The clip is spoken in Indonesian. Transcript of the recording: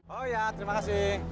oh iya terima kasih